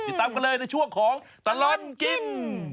ติดตามกันเลยในช่วงของตลอดกิน